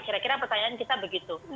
kira kira pertanyaan kita begitu